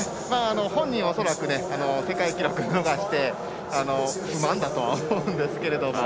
本人は恐らく世界記録逃して不満だとは思うんですけど。